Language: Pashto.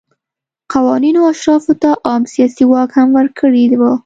قوانینو اشرافو ته عام سیاسي واک هم ورکړی و.